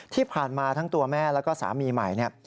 ที่ผ่านมาทั้งตัวแม่แล้วก็สามีใหม่เนี่ย